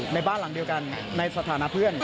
ในบ้านหลังเดียวกันในสถานะเพื่อน